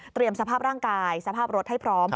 สภาพร่างกายสภาพรถให้พร้อม